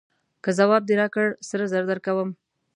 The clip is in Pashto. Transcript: که ځواب دې راکړ سره زر درکوم.